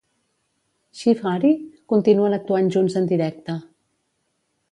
Shiv-Hari continuen actuant junts en directe.